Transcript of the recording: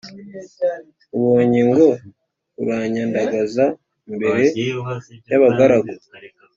ubonye ngo uranyandagaza imbere yabagaragu